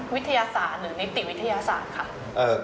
วิทยาศาสตร์หรือนิติวิทยาศาสตร์ค่ะ